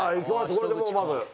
これでもうまず。